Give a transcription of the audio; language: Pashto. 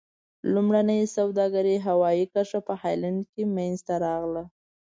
لومړنۍ سوداګرۍ هوایي کرښه په هالند کې منځته راغله.